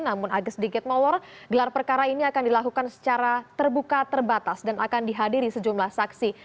namun agak sedikit nomor gelar perkara ini akan dilakukan secara terbuka terbatas dan akan dihadiri sejumlah saksi